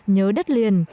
nhớ đất liền